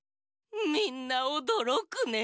みんなおどろくね。